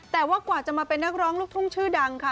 แต่ว่ากว่าจะมาเป็นนักร้องลูกทุ่งชื่อดังค่ะ